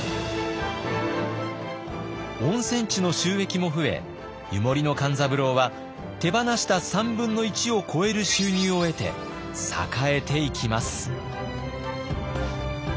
温泉地の収益も増え湯守の勘三郎は手放した３分の１を超える収入を得て栄えていきます。